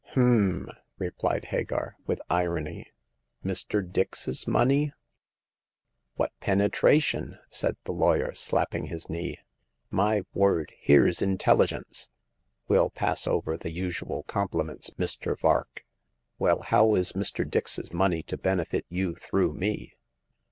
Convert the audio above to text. " H'm !" replied Hagar, with irony. " Mr. Dix's money ?"" What penetration !" said the lawyer, slap ping his knee. " My word, here's intelligence !"" Well pass over the usual compliments, Mr. Vark. Well, how is Mr. Dix's money to benefit you through me